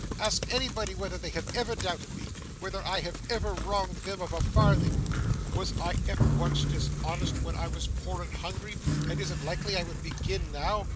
ask anybody whether they have ever doubted me; whether I have ever wronged them of a farthing. Was I ever once dishonest when I was poor and hungry, and is it likely I would begin now!